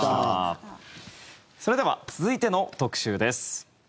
それでは続いての特集です。